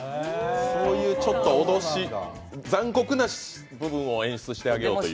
そういう脅し、残酷な部分を演出してあげようという。